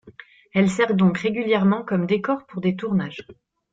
Elle sert donc régulièrement comme décors pour des tournages.